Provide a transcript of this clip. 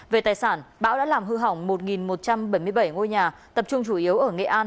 về tài sản bão đã làm hư hỏng một một trăm bảy mươi bảy ngôi nhà tập trung chủ yếu ở nghệ an